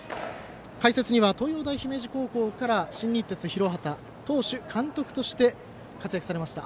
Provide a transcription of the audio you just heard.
解説には東洋大姫路高校から新日鉄広畑、投手監督として活躍されました